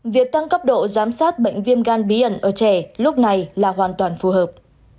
việc tăng cấp độ giám sát bệnh viêm gan bí ẩn ở trẻ lúc này là hoàn toàn phù hợp